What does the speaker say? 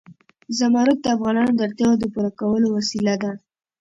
زمرد د افغانانو د اړتیاوو د پوره کولو وسیله ده.